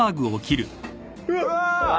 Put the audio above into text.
うわ！